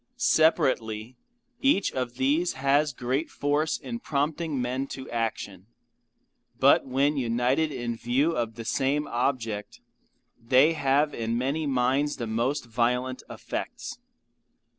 Separately each of these has great force in prompting men to action; but when united in view of the same object, they have in many minds the most violent effects.